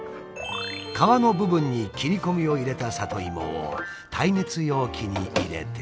皮の部分に切り込みを入れた里芋を耐熱容器に入れて。